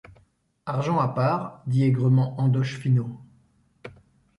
Argent à part, dit aigrement Andoche Finot.